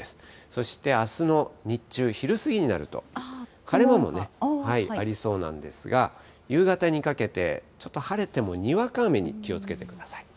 そしてあすの日中、昼過ぎになると、晴れ間もありそうなんですが、夕方にかけて、ちょっと晴れてもにわか雨に気をつけてください。